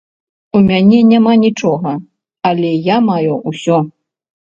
У мяне няма нічога, але я маю ўсё.